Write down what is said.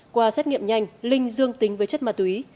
qua xét nghiệm nhanh linh dương tính với chất ma túy